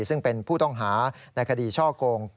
ซึ่งเป็นผู้ต้องหาในคดีช่อกง